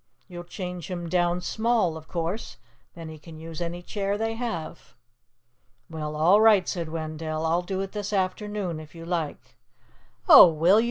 "You'll change him down small, of course, and then he can use any chair they have." "Well, all right," said Wendell. "I'll do it this afternoon, if you like." "Oh, will you?"